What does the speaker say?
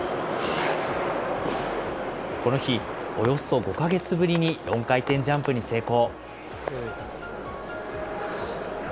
この日、およそ５か月ぶりに４回転ジャンプに成功。